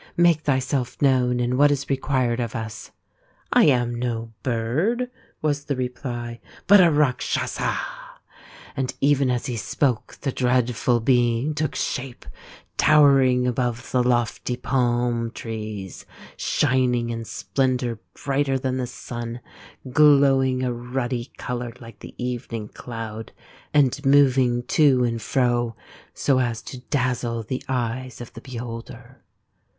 " Make thyself known and what is required of us." " I am no bird," was the reply, " but a Rakshasa "; and even as he spoke the dreadful Being took shape, towering above the lofty palm trees, shining in splendour brighter than the sun, glowing a ruddy colour like the evening cloud, and moving to and fro so as to dazzle the eyes of the beholder.